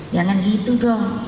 jangan gitu dong